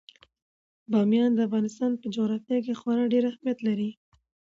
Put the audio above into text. بامیان د افغانستان په جغرافیه کې خورا ډیر ستر اهمیت لري.